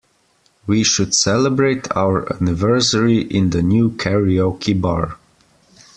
We should celebrate our anniversary in the new karaoke bar.